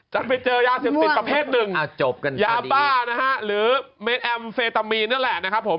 จะไปเจอยาเสพติดประเภทหนึ่งยาบ้านะฮะหรือเมนแอมเฟตามีนนั่นแหละนะครับผม